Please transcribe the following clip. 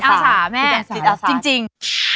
จิตอาสาแม่จริง